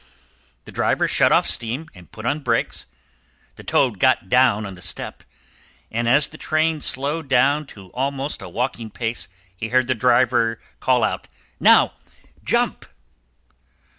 The driver shut off steam and put on brakes, the Toad got down on the step, and as the train slowed down to almost a walking pace he heard the driver call out, "Now, jump!"